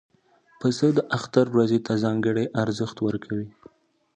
پسه د اختر ورځې ته ځانګړی ارزښت ورکوي.